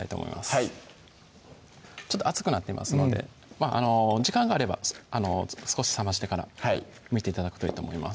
はいちょっと熱くなっていますので時間があれば少し冷ましてからむいて頂くといいと思います